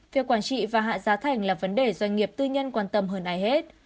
việc quản trị và hạ giá thành là vấn đề doanh nghiệp tư nhân quan tâm hơn ai hết